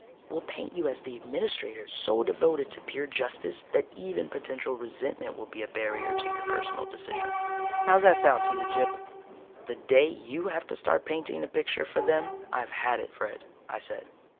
We'll paint you as the administrator so devoted to pure justice that even potential resentment will be a barrier to your personal decision. How's that sound to you, Gyp?" "The day you have to start painting a picture for them, I've had it, Fred," I said.